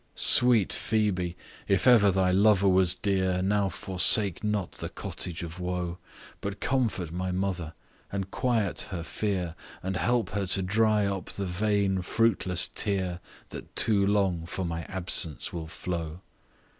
"Sweet Phoebe! if ever thy lover was dear, Now forsake not the cottage of woe, But comfort my mother; and quiet her fear, And help her to dry up the vain fruitless tear, That too long for my absence will flow.